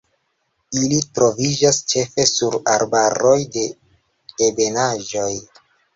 Ili troviĝas ĉefe sur arbaroj de ebenaĵoj.